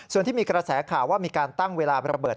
ส่วนที่มีกระแสข่าวว่ามีการตั้งเวลาระเบิด